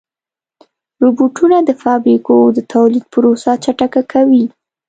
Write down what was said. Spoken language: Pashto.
روبوټونه د فابریکو د تولید پروسه چټکه کوي.